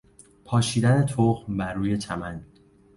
پاشیدن تخم بر روی چمن